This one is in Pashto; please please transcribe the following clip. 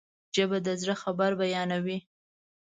ژبه د زړه خبر بیانوي